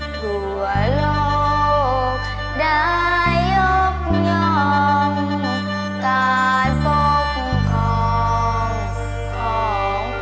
เสียราการด้วยดวงจาน